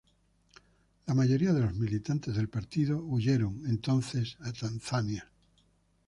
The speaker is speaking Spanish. La mayoría de los militantes del partido huyo, entonces, a Tanzania.